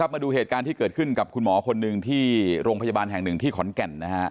มาดูเหตุการณ์ที่เกิดขึ้นกับคุณหมอคนหนึ่งที่โรงพยาบาลแห่งหนึ่งที่ขอนแก่น